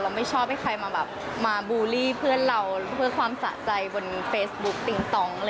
ไม่ชอบให้ใครมาแบบมาบูลลี่เพื่อนเราเพื่อความสะใจบนเฟซบุ๊คปิงตอง